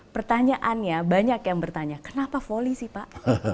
pertanyaannya banyak yang bertanya kenapa volley sih pak